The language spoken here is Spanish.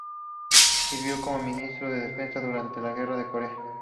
Sirvió como Ministro de Defensa durante la Guerra de Corea.